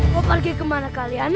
mau pergi kemana kalian